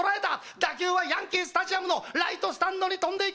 打球はヤンキースタジアムのライトスタンドに飛んでいく。